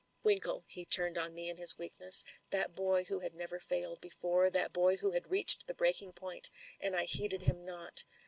"Winkle, he turned to me in his weakness — ^that boy who had never failed before, that boy who had reached the breaking point — and I heeded him not.